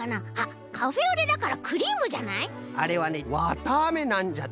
あれはねわたあめなんじゃって。